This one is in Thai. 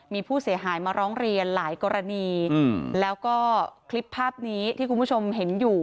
มีผู้เสียหายมาร้องเรียนหลายกรณีแล้วก็คลิปภาพนี้ที่คุณผู้ชมเห็นอยู่